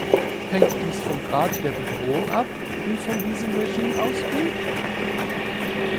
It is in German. Hängt dies vom Grad der Bedrohung ab, die von diesem Regime ausgeht?